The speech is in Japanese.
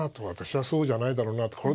私はそうじゃないだろうと。